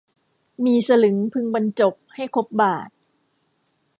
มีสลึงพึงบรรจบให้ครบบาท